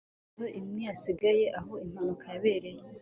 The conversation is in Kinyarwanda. iyi ni moto imwe yasigaye aho impanuka yabereye